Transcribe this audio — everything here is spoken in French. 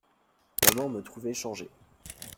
Maman me trouverait changé.